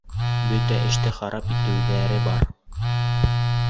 Бөтә эште харап итеүҙәре бар.